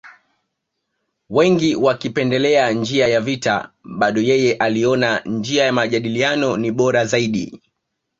Wengi wakipendelea njia ya vita bado yeye aliona njia ya majadiliano ni bora zaidi